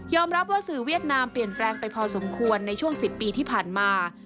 รับว่าสื่อเวียดนามเปลี่ยนแปลงไปพอสมควรในช่วง๑๐ปีที่ผ่านมา